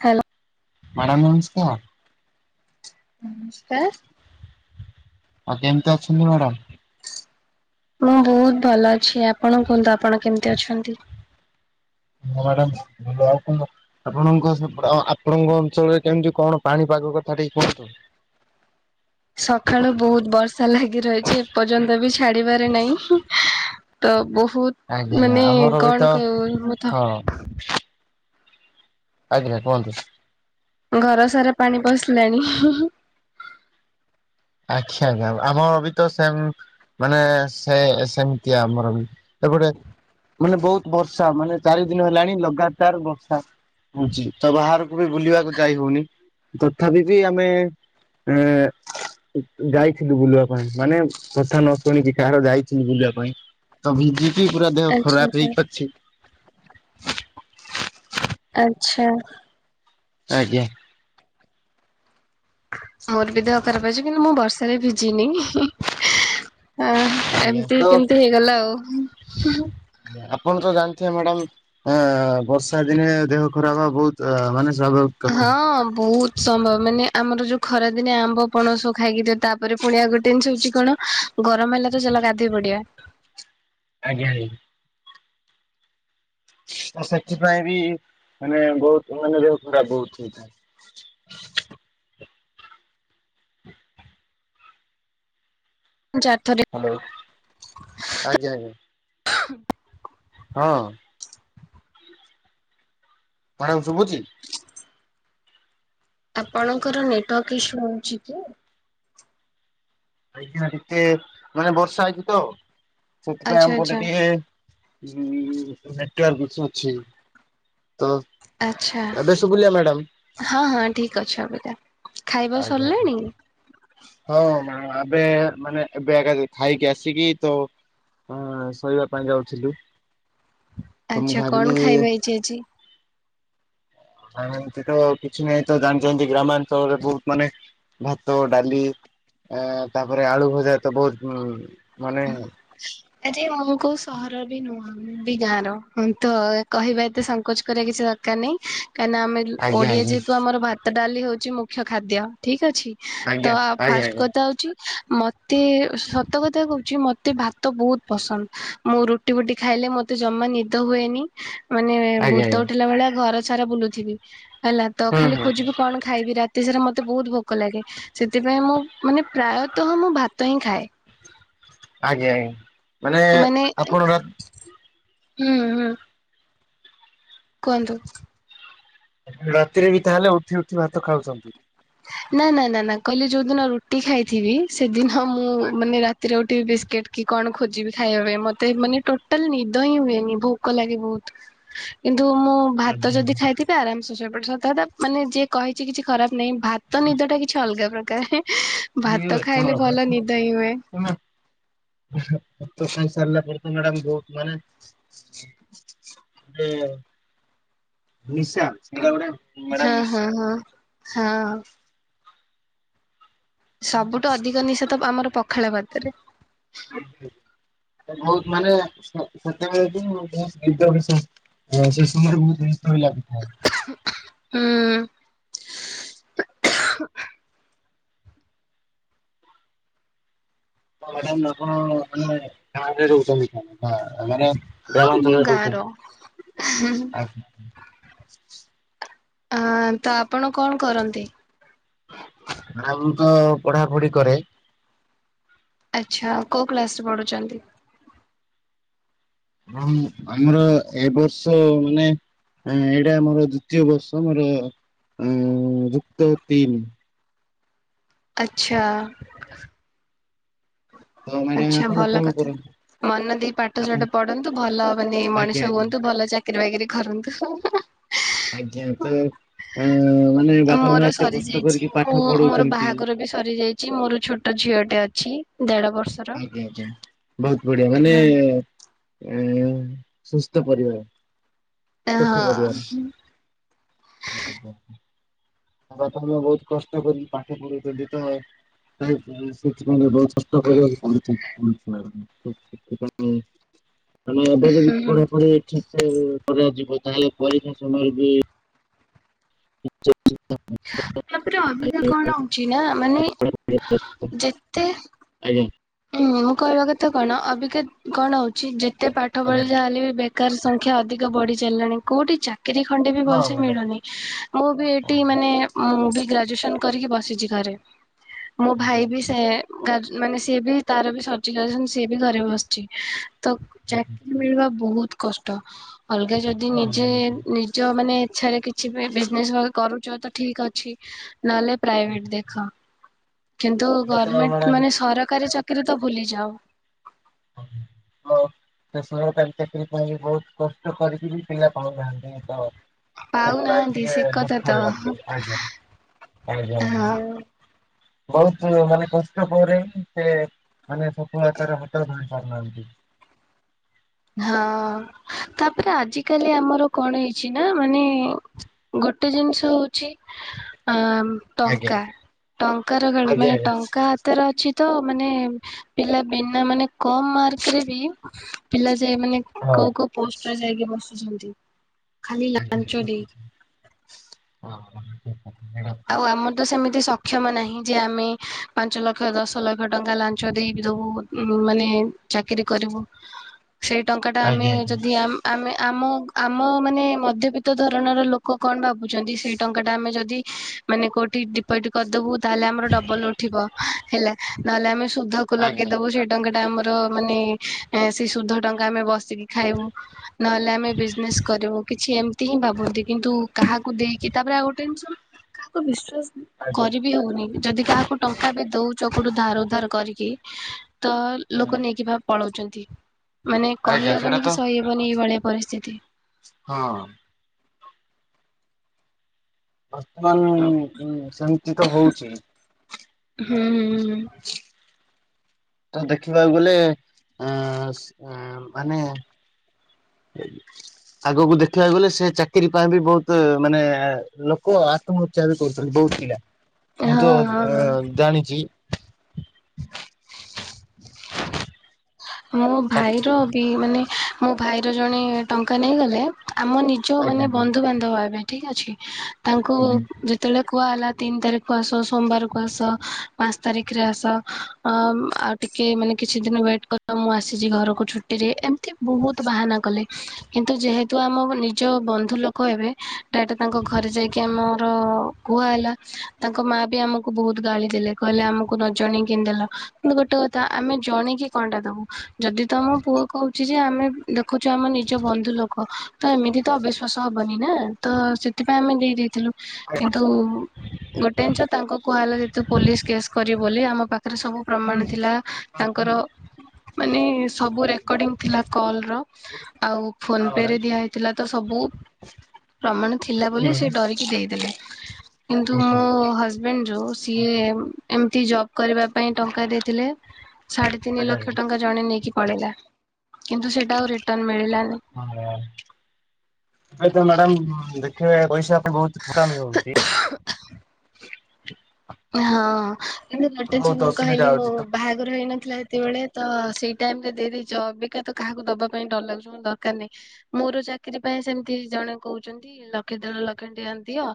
Hello. Madam ନମସ୍କାର। ନମସ୍କାର। ଆଉ କେମତି ଅଛନ୍ତି ମ୍ୟାଡ଼ାମ? ମୁଁ ବହୁତ ଭଲ ଅଛି, ଆପଣ କୁହନ୍ତୁ ଆପଣ କେମିତି ଅଛନ୍ତି? ହଁ ମ୍ୟାଡ଼ାମ, [unintelligible] ଆପଣଙ୍କ ସେପ ଆପଣଙ୍କ ଅଞ୍ଚଳରେ କେମିତି କଣ ପାଣିପାଗ କଥା ଟିକେ କୁହନ୍ତୁ। ସକାଳୁ ବହୁତ ବର୍ଷା ଲାଗି ରହିଛି ଏପର୍ଯ୍ୟନ୍ତ ବି ଛାଡିବାରେ ନାଇଁ। ତ ଆଜ୍ଞା ବହୁତ ମାନେ କଣ କହିବ ମୁଁ ତ ହ ଆଜ୍ଞା କୁହନ୍ତୁ। ଘର ସାରା ପାଣି ପସିଲାଣି। ଆଚ୍ଛା, ଆଜ୍ଞା ଆମର ବି ତ ସେମ ମାନେ ସେ ସେମିତି ଆମର ବି, ଏପଟେ ମାନେ ବହୁତ ବର୍ଷା ମାନେ ଚାରି ଦିନ ହେଲାଣି ଲଗାତାର ବର୍ଷା। ହଉଛି ତ ବାହାରକୁ ବି ବୁଲିବାକୁ ଯାଇ ହଉନି, ତଥାପି ବି ଆମେ ଏ, ଯାଇଥିଲୁ ବୁଲିବା ପାଇଁ। ମାନେ କଥା ନ ଶୁଣିକି କାହାର ଯାଇଥିଲୁ ବୁଲିବା ପାଇଁ। ତ ଭିଜିକି ପୁରା ଦେହ ଆଚ୍ଛା ଖରାପ ଆଚ୍ଛା। ହେଇକି ଅଛି। ଆଚ୍ଛା। ଆଜ୍ଞା। ମୋର ବି ଦେହ ଖରାପ ଅଛି। କିନ୍ତୁ ମୁଁ ବର୍ଷାରେ ଭିଜିିନି। ଓ ହିଁ। ତ ଏମିତି କେମିତି ହେଇଗଲା ଆଉ। ଲେ-ଆପଣ ତ ଜାଣିଥିବେ ମ୍ୟାଡାମ୍ ଆ, ବର୍ଷା ଦିନେ ଦେହ ଖରାପ ହେବା ବହୁତୁ ଅ, ମାନେ ସମ୍ଭବ। ହଁ ବହୁତ ସମ୍ଭବ, ମାନେ ଆମର ଯୋଉ ଖରାଦିନେ ଆମ୍ବ ପଣସ ଖାଇକି ଯଦ ତାପରେ ପୁଣି ଆଉ ଗୋଟେ ଜିନିଷ ହଉଛି, କଣ ଗରମ ହେଲା ତ, ଚାଲ ଗାଧେଇ ପଡିବା। ଆଜ୍ଞା, ଆଜ୍ଞା। ଓ ସେଥିପାଇଁ ବି ମାନେ ବହୁତୁ ମାନେ ଦେହ ଖରାପ ହଉଛି ଛି। ମୁଁ ଚାର୍ଥ ଦି ହ୍ୟାଲୋ ଆଜ୍ଞା, ଆଜ୍ଞା। ହଁ। ମାଡ଼ାମ୍ ଶୁଭୁଛି? ଆପଣଙ୍କର ନେଟୱାର୍କ ଇସୁ ହଉଛି କି? ଆଜ୍ଞା ଟିକେ ମାନେ ବର୍ଷା ହେଇଛି ତ, ସେଥିପାଇଁ ଆଚ୍ଛା ଆମ ପଟେ ଆଚ୍ଛା ଟିକେ ଉଁ, ତ ନେଟୱାର୍କ ଇସୁ ଅଛି। ତ ଆଚ୍ଛା, ଏବେ ଶୁଭିଲା ମ୍ୟାଡାମ? ହଁ, ହଁ ଠିକ ଅଛି ଅବିକା। ଖାଇବା ଆଜ୍ଞା, ଆଜ୍ଞା। ସରିଲାଣି ହଁ ମ୍ୟାଡ଼ାମ୍ ଆବେ ମାନେ ଏବେ ଏକା ଖାଇକି ଆସିକି ତ ଅଁ, ଶୋଇବା ପାଇଁ ଯାଉଥିଲି, ତ ମୁଁ ଆଚ୍ଛା କଣ ଭାବିଲି ଖାଇବା ହେଇଛି ଆଜି? ଆଉ ଏମତି ତ କିଛି ନାହିଁ ତୋ ଜାଣିଛନ୍ତି ଗ୍ରାମାଞ୍ଚଳରେ ବହୁ ମାନେ ଭାତ, ଡାଲି ଏ, ତାପରେ ଆଳୁ ଭଜା ତ ବହୁତ ଉ, ମାନେ ହା ଇ ଆ, ଯେ ମୁଁ କୋଉ ସହର ର ବି ନୁହଁ, ମୁଁ ବି ଗାଁ ର, ହଁ ତ କହିବା ଏତେ ସଂଙ୍କୋଚ କରିବା କିଛି ଦର କାନି କାନା ଆମେ ଆଜ୍ଞା ଯୁ-ଓଡିଆ ଆଜ୍ଞା ଯେହେତୁ ଆମର ଭାତ, ଡାଲି ହଉଛି ମୁଖ୍ୟ ଖାଦ୍ୟ ଠିକ ଅଛି। ତୋ ଆଜ୍ଞା ଆ, ଆଜ୍ଞା ଫାଷ୍ଟ ଆଜ୍ଞା କଥା ହଉଛି, ମୋତେ ସତ କଥା କହୁଛି ମୋ ତେ ଭାତ ବହୁତ ପସନ୍ଦ। ମୁଁ ରୁଟି ଫୁଟି ଖାଇଲେ ମୋତେ ଜମା ନିଦ ହୁଏନି। ମାନେ ଆଜ୍ଞା ଭୂତ ଆଜ୍ଞା ଉଠିଲା ଭଳିଆ ଘର ସାରା ବୁଲୁଥିବି। ହେଲା ତ ହୁଁ ଖାଲି ହୁଁ ହୁଁ ଖୋଜିବି କଣ ଖା ଖାଇବି ରାତି ସାରା ମୋତେ ବହୁତ ଭୋକ ଲାଗେ। ସେଥିପାଇଁ ମୁଁ ମାନେ ପ୍ରାୟତଃ ମୁଁ ଭାତ ହିଁ ଖାଏ। ଆଜ୍ଞା, ଆଜ୍ଞା। ମାନେ ଏ, ଆପଣ ହୁଁ, ହୁଁ କୁହନ୍ତୁ। ରାତିରେ ବି ତାହେଲେ ଉଠି ଉଠି ଭାତ ଖାଉଛନ୍ତି? ନା ନା ନା ନା କହିଲେ ଯୋଉଦିନ ରୁଟି ଖାଇଥିବି। ସେଦିନ ମୁଁ ମାନେ ରାତି ରେ ଉଠିବି ବିସ୍କେଟ କି କଣ ଖୋଜିବି ଖାଇବା ପାଇଁ। ମତେ ମାନେ ଟୋଟାଲ ନିଦ ହିଁ ହୁଏନି। ଭୋକ ଲାଗେ ବହୁତ। କିନ୍ତୁ ମୁଁ ଭାତ ଆଜ୍ଞା ଯଦି ଖାଇଥିବି ଆରାମ ସେ ଶୋଇପଡେ। ସତ କଥା ମାନେ ଯିଏ କହିଛି କିଛି ଖରାପ ନାହିଁ। ଭାତ ନିଦ ଟା କିଛି ଅଲଗା ପ୍ରକାର। ଭାତ ଆଜ୍ଞା ଖାଇଲେ ଭଲ ନିଦ ହିଁ ହୁଏ। ହଁ [inaudible] ଭାତ ଖାଇ ସାରିଲା ପରେ ତ ମ୍ୟାଡାମ ବହୁତ ମାନେ [inaudible] ଏ ନିଶା ମ୍ୟାଡ଼ାମ ହଁ ହଁ ନିଶା। ହଁ। ହଁ ଆଁ ସବୁଠୁ ଅଧିକ ନିଶା ତ ଆମର ପଖାଳ ଭାତରେ। [inaudible] ବହୁତ ମାନେ ହଁ ସେ ସମୟରେ ବହୁତ ବ୍ୟସ୍ତ ଭଳି ଲାଗୁଥାଏ। ହୁଁ [unintelligible] ମ୍ୟାଡ଼ାମ ଆପଣ ମାନେ ଗାଁରେ ରହୁଛନ୍ତି? ହଁ ମାନେ ହଁ ମୁଁ ଗ୍ରାମାଞ୍ଚଳ ଗାଁର ରହୁଛନ୍ତି ଆ ହଁ ତ ଆପଣ କଣ କରନ୍ତି? ଆଉ ମୁଁ ତ ପଢାପଢି କରେ। ଆଚ୍ଛା କୋଉ କ୍ଲାସରେ ପଢୁଛନ୍ତି? ହଁ ଆମର ଏ ବର୍ଷ ମାନେ ଆଜ୍ଞା ଏଇଟା ମୋର ଦ୍ଵିତୀୟ ବର୍ଷ ମୋର ଅ ଯୁକ୍ତ ତିନି। ଆଚ୍ଛା। ତ ମ୍ୟାଡାମ ଆଛା ଆପଣ ଭଲ କଣ କଥା। କରନ୍ତି ମନ ଦେଇ ଆପଣ ପାଠସାଠ ପଢନ୍ତୁ ଭଲ ମାନେ ଆଜ୍ଞା ମଣିଷ ଆଜ୍ଞା। ହୁଅନ୍ତୁ ଭଲ ଚାକି ଚାକିରି ବାକରି କରନ୍ତୁ। ଆଜ୍ଞା ତ ଅ ମାନେ ବାପା ମୋର ମା ଏତେ କଷ୍ଟ ସରିଯାଇଛି କରିକି ମୁଁ ପାଠ ମୋର ପଢଉଛନ୍ତି। ବାହାଘର ବି ସରିଯାଇଛି ମୋର ଛୋଟ ଝିଅଟେ ଅଛି ଦେଢ ବର୍ଷ ଅଛି ଆଜ୍ଞା ଆଜ୍ଞା ବହୁତ ବଢିଆ ମାନେ ଏ ସୁସ୍ଥ ପରିବାର। ସୁଖୀ ହଁ। ପରିବାର। ଘରଲୋକେ ବହୁତ କଷ୍ଟ କରି ପାଠ ପଢ଼ିଛନ୍ତି ତ ସେଥି ବହୁ କଷ୍ଟ କରିବାକୁ ପଡୁଛି [unintelligible] ଆମେ ଏବେ ଯଦି ହୁଁ ହୁଁ। ପଢି ପଢି ଠିକ ସେ ପଢା ଯିବ ତାହେଲେ ପରୀକ୍ଷା ସମୟରେ ବି [unintelligible] ମାତ୍ରେ ଅଭିଜ୍ଞ କଣ ହଉଛି ନା ମାନେ ଯେତେ ଆଜ୍ଞା। ହୁଁ ମୁଁ କହିବା କଥା କଣ ଅବିକା କଣ ହଉଛି ଯେତେ ପାଠ ପଢି ଯାହା ହେଲେ ବି ବେକାର ସଂଖ୍ୟା ଅଧିକ ବଢି ଚାଲିଲାଣି କୋଉଠି ଚାକିରି ଖଣ୍ଡେ ବି ହଁ ଭଲସେ ମ୍ୟାଡ଼ାମ। ମିଳୁନି। ମୁଁ ବି ଏଠି ମାନେ ମୁଁ ବି ଗ୍ରାଜୁଏସନ କରିକି ବସିଛି ଘରେ। ମୋ ଭାଇ ବି ସେ ମାନେ ସିଏ ବି ତାର ବି ସରିଚି ଗ୍ରାଜୁଏସନ ସିଏ ବି ଘରେ ବସିଛି। ତ ଚାକିରୀ ମିଳିବା ବହୁତ କଷ୍ଟ ଅଲଗା ଯଦି ଦି ହଁ ନିଜେ ନିଜ ମାନେ ଇଚ୍ଛାରେ କି କିଛି ବି ବିଜନେସ୍ କରୁଛ ତ ଠିକ ଅଛି ନହେଲେ ପ୍ରାଇଭେଟ ଦେଖ। କିନ୍ତୁ ଗଭର୍ଣମେଣ୍ଟ ମ୍ୟାଡ଼ାମ। ମାନେ ସରକାରୀ ଚାକିରି ତ ଭୁଲିଯାଅ। [unintelligible] ସେ ଲୋକ ଚାକିରୀ ପାଇଁ ବହୁତ କଷ୍ଟ କରିକି ବି ପିଲା ପାଉନାହାନ୍ତି ତ। ସେଇଥି ପାଇଁ ପାଉନାହାନ୍ତି ସେ ଟିକେ କଥା ତ ଦୁଃଖ ହଁ ଲାଗୁଛି ଆଜ୍ଞା ଆଜ୍ଞା। ହଁ। ବହୁତ, ମାନେ କଷ୍ଟ ପରେ, ସେ ମାନେ ସଫଳତାରେ ନିଶ୍ୱାସ ନେଇ ପାରୁନାହାନ୍ତି। ହଁ, ତାପରେ ଆଜିିକାଲି ଆମର କଣ ହେଇଛି ନା, ମାନେ ଗୋଟେ ଜିନିଷ ହଉଚି, ଆ ଆଜ୍ଞା ଟଙ୍କା, ଟଙ୍କାର ଗାଡ ଆଜ୍ଞା ମାନେ ଆଜ୍ଞା ଟଙ୍କା ତାର ଅଛି ତ, ମାନେ ପିଲା ବିନା ମାନେ କମ ମାର୍କରେ ବି ପିଲା ଯାଇ ମାନେ ହଁ କୋଉ କୋଉ ପୋଷ୍ଟର ଯାଇକି ବସୁଛନ୍ତି, ଖାଲି ଆଜ୍ଞା ଲାଞ୍ଚ ଠିକ୍ ଦେଇକି। ହଁ ହଁ। ଆଉ ଆମର ତ, ସେମିତି ସ ସକ୍ଷମ ନାହିଁ ଯେ, ଆମେ ପାଞ୍ଚ ଲକ୍ଷ, ଦଶ ଲକ୍ଷ ଟଙ୍କା ଲାଞ୍ଚ ଦେଇଦଉ, ମାନେ ଚାକିରି କରିବୁ, ସେଇ ଟଙ୍କା ଟା ଆମେ ଆଜ୍ଞା ଯଦି ଆ ଆମେ, ଆମ ଆମ ମାନେ ମଧ୍ୟବିତ୍ତ ଧରଣର ଲୋକ କଣ ଭାବୁଚନ୍ତି, ସେଇ ଟଙ୍କା ଟା ଆମେ ଯଦି ମାନେ କୋଉଠି ଡିପୋଜିଟ୍ କରିଦବୁ, ତାହେଲେ ଆମର ଡବଲ ଉଠିବ ହେଲା, ନହେଲେ ଆମେ ସୁଧ କୁ ଲଗେଇଦବୁ, ଆଜ୍ଞା ସେଇ ଟଙ୍କା ଟା ଆମର ମାନେ, ସେ ସୁଧ ଟଙ୍କା ଆମେ ବସିକି ଖାଇବୁ। ନହେଲେ ଆମେ ବିଜନେସ କରିବୁ, କିଛି ଏମିତି ହିଁ ଭାବନ୍ତି, କିନ୍ତୁ କାହାକୁ ଦେଇକି, ତାପରେ ଆଉ ଗୋଟେ ଜିନିଷ କାହାକୁ ବିଶ୍ଵାସ କରି ବି ହଉନି, ଯଦି କାହାକୁ ଟଙ୍କା ବି ଦଉଛ, କୋଠୁ ଧାର ଉଧାର କରିକି ତ ହୁଁ ଲୋକ ନେଇକି ଭାବ ପଳାଉଚନ୍ତି, ମାନେ ଆଜ୍ଞା ସେଇଟା କହିହବନି ତ କି, ସହିହବ ହବନି ଏଇ ଭଳିଆ ପରିସ୍ଥିତି। ହଁ ଅ। ବର୍ତ୍ତମାନ ସେମିତି ତ ହଉଚି। ହୁଁ ହୁଁ ହୁଁ। ତ ଦେଖିବାକୁ ଗଲେ, ଅଁ ଅଁ ମାନେ ଆଗକୁ ଦେଖିବାକୁ ଗଲେ, ସେ ଚାକିରି ପାଇଁ ବି ବହୁତ, ମାନେ ଲୋକ [unintelligible] କରୁଚନ୍ତି ବହୁତ ପିଲା, ହଁ ମୁଁ ତ ହଁ ହଁ। ଅ ଜାଣିଚି। ମୋ ଚାକ୍ ଭାଇର ବି, ମାନେ ମୋ ଭାଇର ଜଣେ ଟଙ୍କା ନେଇଗଲେ, ଆମ ନି ଯୋଉ ଆଜ୍ଞା ମାନେ ଆଜ୍ଞା। ବନ୍ଧୁବାନ୍ଧବ ହେବେ ଠିକ ଅଛି, ତାଙ୍କୁ ଯେତେବେଳେ କୁହା ହେଲା, ତିନି ତାରିଖକୁୁ ଆସ, ସୋମବାର କୁ ଆସ, ପାଞ୍ଚ ତାରିଖରେ ଆସ, ଆ ଟିକେ ମାନେ କିଛି ଦିନ ୱେଟ୍ କର, ମୁଁ ଆସିଛି ଘରକୁ ଛୁଟିରେ, ଏମିତି ବହୁତ ବାହାନା କଲେ। କିନ୍ତୁ ଯେହେତୁ ଆମ ନିଜ ବନ୍ଧୁ ଲୋକ ହେବେ ଡାଇରେକ୍ଟ ତାଙ୍କ ଘରେ ଯାଇକି ଆମର କୁହା ହେଲା, ତାଙ୍କ ମା ବି ଆମକୁ ବହୁତ ଗାଳି ଦେଲେ, କହିଲେ ଆମକୁ ନ ଜଣେଇକି କେମିତି ଦେଲ? କିନ୍ତୁ ଗୋଟେ କଥା, ଆମେ ଜଣିକି କଣଟା ଦବୁ, ଯଦି ତ ଆମ ପୁଅ କହୁଚି ଯେ ଆମେ ଦେଖୁଛୁ ଆମ ନିଜ ବନ୍ଧୁ ଲୋକ, ତ ଏମିତି ତ ଅବିଶ୍ଵାସ ହବନି ନା। ତ, ସେଥିପାଇଁ ଆମେ ଦେଇ ଦେଇଥିଲୁ, କିନ୍ତୁ ଗୋଟେ ଜିନିଷ ତାଙ୍କୁ କୁହାଲା ଯେ ତୁ ପୋଲିସ କେସ କରିବୁ ବୋଲି, ଆମ ପା ତାର ସବୁ ପ୍ରମାଣ ଆଜ୍ଞା। ଥିଲା, ତାଙ୍କର ମାନେ ସବୁ ରେକର୍ଡିଙ୍ଗ ଥିଲା କଲ୍ ର। ଆଉ ଫୋନ ପେ ରେ ଦିଆ ହେଇଥିଲା ତ ସବୁ ପ୍ରମାଣ ଥିଲା ବୋଲି ସେ ଡରିକି ଦେଇଦେଲେ, କିନ୍ତୁ ମୋ ହଜ ମେନ୍ ଯୋଉ ସିଏ, ଏମତି ଜବ କରିବା ପାଇଁ ଟଙ୍କା ଦେଇଥିଲେ, ସା ତିନ ଲକ୍ଷ ଟଙ୍କା ଜଣେ ନେଇକି ପଳେଇଲା କିନ୍ତୁ ସେଇଟା ଆଉ ରିଟର୍ଣ ମିଳିଲାନି। ହଁ, ଏବେ ତ ମ୍ୟାଡ଼ାମ ଦେଖିବେ, ପଇସା ପାଇଁ ବହୁତ ଠକାମି ରହୁଚି। ହଁ, ଏ ଗୋଟେ ବହୁତ ମୁଁ ଅସୁବିଧା କହିଲି ମୋ ହଉଛି ତ। ବାହାଘ ବାହାଘର ହେଇନଥିଲା ହେତେବେଳେ ତ, ସେଇ ଟାଇମ ରେ ଦେଇଦେଇଚ, ଅବିକା ତ କାହାକୁ ଦବା ପାଇଁ ଡର ଲାଗୁଚି, ମୁଁ କହିଲି ଦରକାର ନାହିଁ। ମୋର ଚାକିରୀ ପାଇଁ ସେମିତି ଜଣେ କହୁଛନ୍ତି ଲକ୍ଷେ ଦେଢ଼ଲକ୍ଷ ଟଙ୍କା ଦିଅ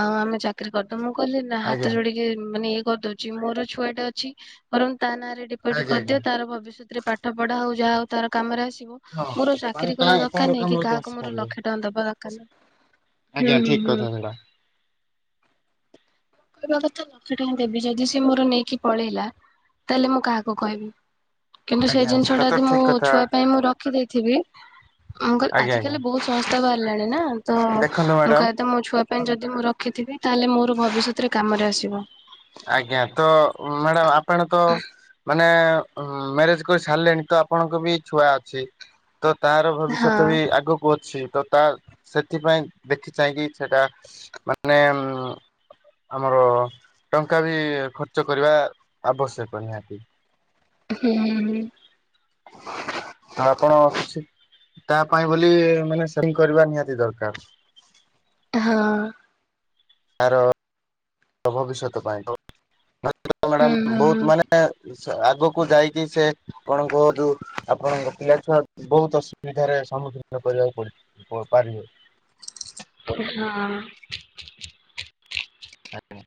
ଆଉ ଆମେ ଚାକିରି କରି ତ ମୁଁ କହିଲି ନା ହାତ ଆଜ୍ଞା ଯୋଡିକି ମାନେ ଇଏ କରିଦଉଛି ମୋର ଛୁଆଟେ ଅଛି ବରଂ ତା ନାଁରେ ଡିପୋଜିଟ ଆଜ୍ଞା ଆଜ୍ଞା କରିଦିଅ ତାର ଭବିଷ୍ୟତରେ ପାଠପଢା ହଉ ଯାହା ହଉ ତାର କାମରେ ଆସିବ। ହଁ ମୋର ମାନେ ଚାକିରୀ ତା କରିବା ତାର ଦରକାର ନାହିଁ କି କାମରେ ତ କାହାକୁ ମୋର ଆସିପାରିବ। ଲକ୍ଷେ ଟଙ୍କା ଦବା ଦରକାର ନାହିଁ। ହୁଁ ଆଜ୍ଞା ହୁଁ ଠିକ ହୁଁ କଥା ସେଟା। କହିବା କଥା ଲକ୍କ୍ଷେ ଟଙ୍କା ଦେବି ଯଦି ସେ ମୋର ନେଇକି ପଳେଇଲା ତାହେଲେ ମୁଁ କାହାକୁ କହିବି। କିନ୍ତୁ ସେ ଆଜ୍ଞା ଜିନିଷ ଟା ସେଇଟା ତ ଯଦି ମୋ ଠିକ କଥା ଛୁଆ ପାଇଁ ମୁଁ ରଖି ଦେଇଥିବି ମୁଁକହିଲି ଆଜ୍ଞା ଆଜି ଆଜ୍ଞା କାଲି ବହୁତ ସଂସ୍ଥା ବାହାରିଲାଣି ନା ତ ମୁଁ ଦେଖନ୍ତୁ ମ୍ୟାଡାମ କହିବାକଥା ମୋ ଛୁଆ ପାଇଁ ଯଦି ମୁଁ ରଖିଥିବି ତାହେଲେ ମୋର ଭବିଷ୍ୟତରେ କାମରେ ଆସିବ। ଆଜ୍ଞା ତ ମ୍ୟାଡାମ ଆପଣ ତ ମାନେ ମ୍ୟାରେଜ କରି ସାରିଲେଣି ତ ଆପଣଙ୍କ ବି ଛୁଆ ଅଛି। ତ ତାର ହଁ ଭବିଷ୍ୟତ ବି ଆଗକୁ ଅଛି ତ ତା ସେଥିପାଇଁ ଦେଖି ଚାହିଁକି ସେଟା ମାନେ ଆମର ଟଙ୍କା ବି ଖର୍ଚ୍ଚ କରିବା ଆବଶ୍ୟକ ନିହାତି। ହୁଁ ହୁଁ। ତ ଆପଣ କିଛି ତା ପାଇଁ ବୋଲି ମାନେ ସେଭିଂ କରିବା ନିହାତି ଦରକାର। ହଁ। ତ ଭବିଷ୍ୟତ ପାଇଁ [inaudible] ହୁଁ ମ୍ୟାଡାମ ହୁଁ ହୁଁ। ବହୁତ ମାନେ ସ ଆଗକୁ ଯାଇକି ସେ ଆପଣଙ୍କ ଯୋଉ ଆପଣଙ୍କ ପିଲା ଛୁଆ ବହୁତ ଅସୁବିଧାରେ ସମ୍ମୁଖୀନ କରିବାକୁ ପଡ କୁହ ପାରିବେ। ହଁ। ଆଜ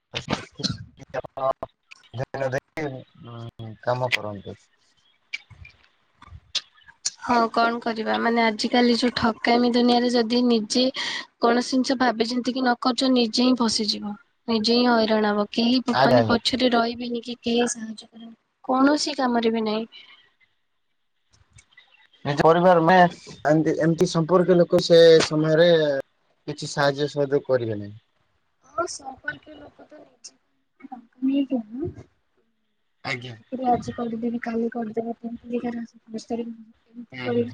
ଧନ୍ୟଦ [unintelligible] ଇଁ କାମ କରନ୍ତି। ହଁ କଣ କରିବା ମାନେ ଆଜିକାଲି ଯୋଉ ଠକାମି ଦୁନିଆରେ ଯଦି ନିଜେ କୌଣସି ଜିନିଷ ଭାବି ଚିନ୍ତିକି ନ କରୁଛନ୍ତି ନିଜେ ହିଁ ଫସିଯିବ ନିଜେ ହିଁ ହଇରାଣ ହବ। କେହି ଆଜ୍ଞା ମାନେ ଆଜ୍ଞା ପଛରେ ରହିବେନି କି କେହି ସାହାଯ୍ୟ କରିଏନି କୌଣସି କାମରେ ବି ନାହିଁ। ନିଜ ପରିବାର ମେ ଏନ୍ତି ଏମିତି ସମ୍ପର୍କୀୟ ଲୋକ ସେ ସମୟରେ କିଛି ସାହାଯ୍ୟ ସହଯୋଗ କରିବେନି। ହଁ ସମ୍ପର୍କୀୟ ଲୋକ ତ ନିଜ ଟଙ୍କ ନେଇକି [inaudible] ନା ଚାକିରି ଆଜି କରିବିନି କାଲି କରିଦବା [inaudible] ଘରେ ପ ହୁଁ ହୁଁ।